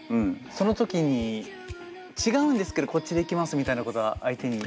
その時に「違うんですけどこっちでいきます」みたいなことは相手に。